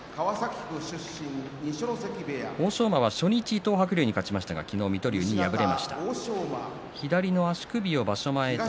欧勝馬は初日東白龍に勝ちましたが昨日、水戸龍に敗れました。